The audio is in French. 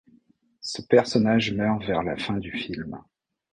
Ce personnage meurt vers la fin du film.